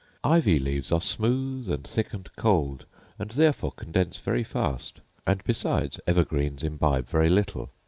Ivy leaves are smooth, and thick, and cold, and therefore condense very fast; and besides evergreens imbibe very little.